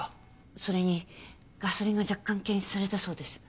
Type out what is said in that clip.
それにガソリンが若干検出されたそうです。